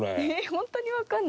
ホントにわかんないな。